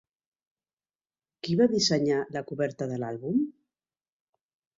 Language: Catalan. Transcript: Qui va dissenyar la coberta de l'àlbum?